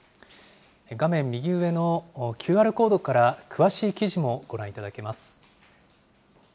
画面右上のＱＲコードから詳しい記事もご覧いただけます。